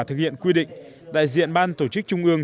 thực hiện quy định đại diện ban tổ chức trung ương